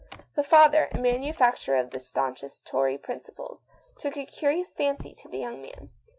The father, a manufacturer, of the staunch est Tory principles, took a curious fancy to the young man.